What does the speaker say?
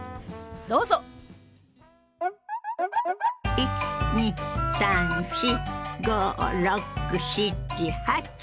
１２３４５６７８。